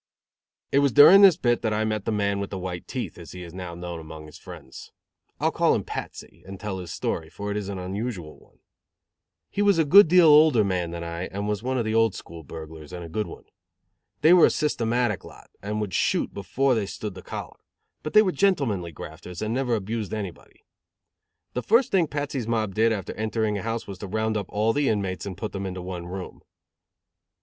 It was during this bit that I met the man with the white teeth, as he is now known among his friends. I will call him Patsy, and tell his story, for it is an unusual one. He was a good deal older man than I and was one of the old school burglars, and a good one. They were a systematic lot, and would shoot before they stood the collar; but they were gentlemanly grafters and never abused anybody. The first thing Patsy's mob did after entering a house was to round up all the inmates and put them into one room.